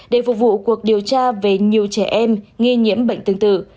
để phục vụ cuộc điều tra về nhiều trẻ em nghi nhiễm bệnh tương tự